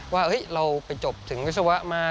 ว่าเราไปจบถึงวิศวะมา